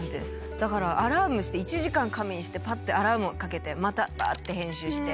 だからアラームして１時間仮眠してぱってアラームかけてまたばーって編集して。